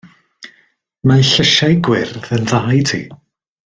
Mae llysiau gwyrdd yn dda i ti.